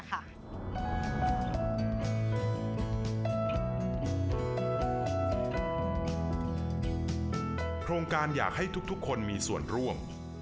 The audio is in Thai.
โครงการอยากให้ทุกคนมีส่วนร่วม